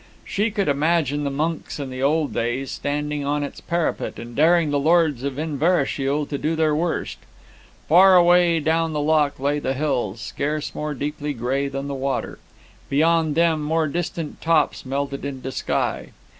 She could imagine the monks in the old days, standing on its parapet and daring the Lords of Inverashiel to do their worst. Far away down the loch lay the hills, scarce more deeply grey than the water; beyond them more distant tops melted into the sky.